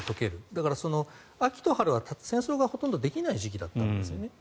だから、秋と春は戦争ができない時期だったんですね。